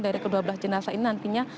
dari kedua belas jenazah ini nantinya